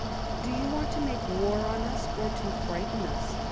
* Do you want to make war on us, or to frighten us